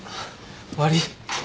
悪い。